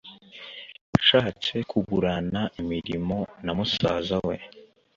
Yashatse kugurana imirimo na musaza we